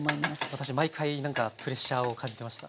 私毎回何かプレッシャーを感じてました。